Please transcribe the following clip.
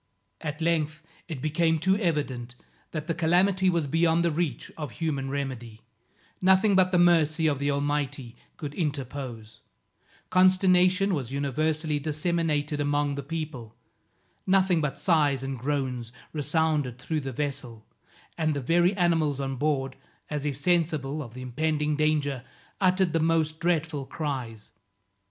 At length it became too evident that the calamity was beyond the reach of human remedy; nothing but the mercy of the Almighty could interpose; consternation was universally disseminated among the people; nothing but sighs and groans resounded through the vessel, and the very animals on board, as if sensible of the impending danger, uttered the most dreadful cries.